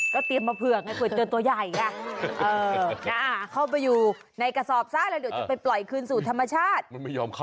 ก็เตรียมมาเพื่อกให้เปลือเตือนตัวใหญ่นะ